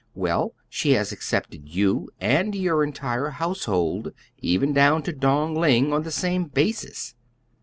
Well, she has accepted you and your entire household, even down to Dong Ling, on the same basis."